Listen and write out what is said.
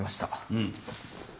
うん。